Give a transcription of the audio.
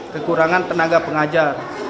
kekurangan tenaga pengajar